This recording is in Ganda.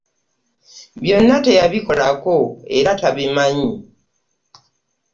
Byonna teyabikolako era tabimanyi.